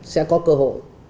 sẽ có cơ hội